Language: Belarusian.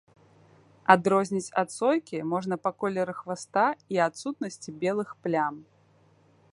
Адрозніць ад сойкі можна па колеры хваста і адсутнасці белых плям.